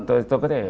tôi có thể